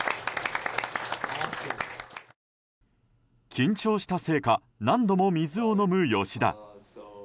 緊張したせいか何度も水を飲む吉田。